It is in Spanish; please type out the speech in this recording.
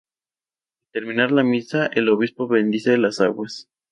Al terminar la misa, el obispo bendice las aguas.